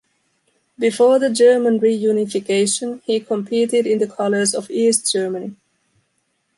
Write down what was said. Before the German reunification, he competed in the colors of East Germany.